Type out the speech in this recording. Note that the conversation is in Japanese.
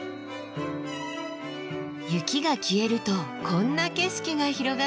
雪が消えるとこんな景色が広がってるんだ。